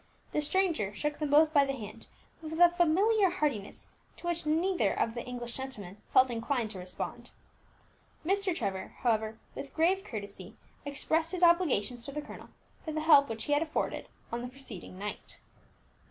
The stranger shook them both by the hand, with a familiar heartiness to which neither of the English gentlemen felt inclined to respond. Mr. Trevor, however, with grave courtesy, expressed his obligations to the colonel for the help which he had afforded on the preceding night.